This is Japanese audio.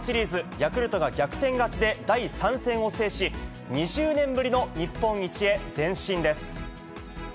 ヤクルトが逆転勝ちで、第３戦を制し、２０年ぶりの日本一へ前進です。